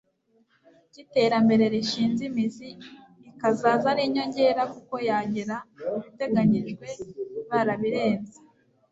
cy'iterambere rishinze imizi, ikazaza ari inyongera, kuko yagera ibiteganyijwe barabirenze